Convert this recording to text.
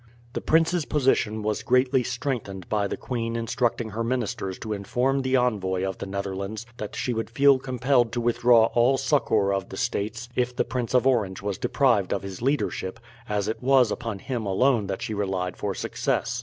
The prince's position was greatly strengthened by the queen instructing her ministers to inform the envoy of the Netherlands that she would feel compelled to withdraw all succour of the states if the Prince of Orange was deprived of his leadership, as it was upon him alone that she relied for success.